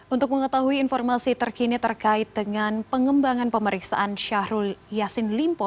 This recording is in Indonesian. untuk mengetahui informasi terkini terkait dengan pengembangan pemeriksaan syahrul yassin limpo